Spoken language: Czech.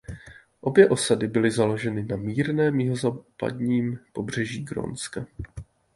Obě osady byly založeny na mírném jihozápadním pobřeží Grónska.